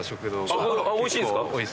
おいしいんですか？